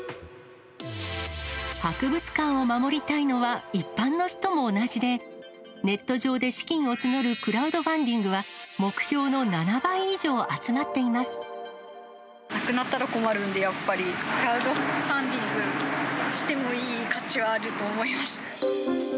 博物館を守りたいのは一般の人も同じで、ネット上で資金を募るクラウドファンディングは、なくなったら困るんで、やっぱり。クラウドファンディングしてもいい価値はあると思います。